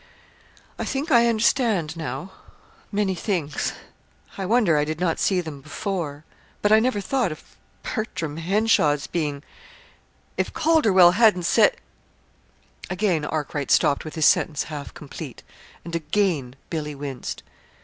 "I think I understand now many things. I wonder I did not see them before; but I never thought of Bertram Henshaw's being If Calderwell hadn't said " Again Arkwright stopped with his sentence half complete, and again Billy winced.